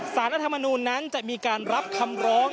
สารรัฐธรรมนุนนั้นจะมีการรับคำร้อง